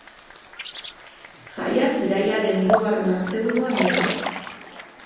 Jaiak irailaren hirugarren asteburuan dira.